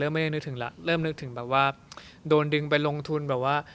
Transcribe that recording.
ไม่ได้นึกถึงแล้วเริ่มนึกถึงแบบว่าโดนดึงไปลงทุนแบบว่า